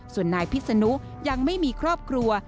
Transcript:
ส่วนนายพิษนุยังไม่มีครอบครัว